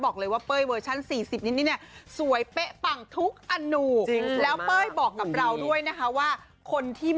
บอกเลยว่าเบ้ยเวอร์ชัน๔๐นิดนี้เนี่ย